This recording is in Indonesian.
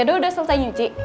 cado udah selesai nyuci